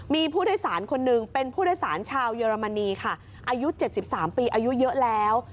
มีผู้โดยสารคนหนึ่งเป็นผู้โดยสารชาวเยอรมนีค่ะอายุ๗๓ปีอายุเยอะแล้ว